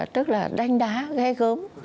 tức là đánh đá gây gớm